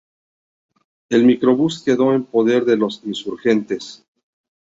El microbús quedó en poder de los insurgentes.